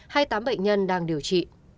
hai tám bệnh nhân đang điều trị